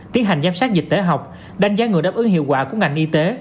tiến hành giám sát dịch tễ học đánh giá người đáp ứng hiệu quả của ngành y tế